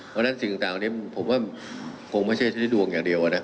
เพราะฉะนั้นสิ่งต่างนี้ผมว่าคงไม่ใช่ที่ดวงอย่างเดียวนะ